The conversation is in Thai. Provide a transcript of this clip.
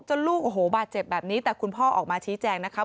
ลูกโอ้โหบาดเจ็บแบบนี้แต่คุณพ่อออกมาชี้แจงนะคะ